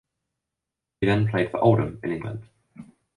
He then played for Oldham in England.